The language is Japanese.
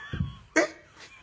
「えっ？」